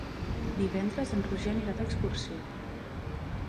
Divendres en Roger anirà d'excursió.